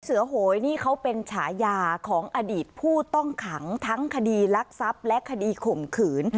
โหยนี่เขาเป็นฉายาของอดีตผู้ต้องขังทั้งคดีรักทรัพย์และคดีข่มขืน